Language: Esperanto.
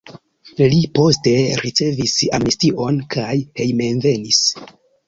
Li poste ricevis amnestion kaj hejmenvenis.